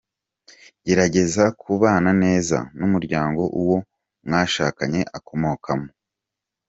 Gerageza kubana neza n’umuryango uwo mwashakanye akomokamo.